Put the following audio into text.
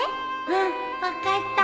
うん分かった。